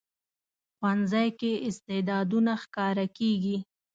ښوونځی کې استعدادونه ښکاره کېږي